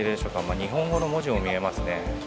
日本語の文字も見えますね。